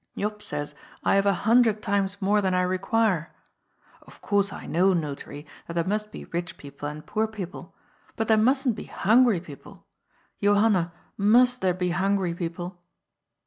Jops says I have a hundred times more than I require. Of course I know, Notary, that there must be rich people and poor people. But there mustn't be hun gry people. Johanna, must there be hungry people